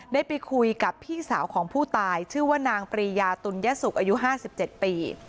ได้ไปคุยกับพี่สาวของผู้ตายชื่อว่านางปรียาตุลยสุขอายุ๕๗ปี